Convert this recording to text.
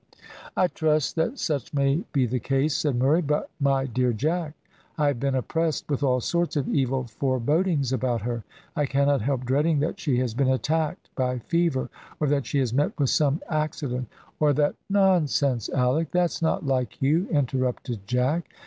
"I trust that such may be the case," said Murray. "But, my dear Jack, I have been oppressed with all sorts of evil forebodings about her. I cannot help dreading that she has been attacked by fever, or that she has met with some accident, or that " "Nonsense, Alick, that's not like you," interrupted Jack.